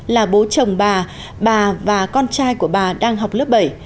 là bố chồng bà bà và con trai của bà đang học lớp bảy